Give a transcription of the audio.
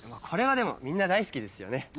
これはでもみんな大好きですよね。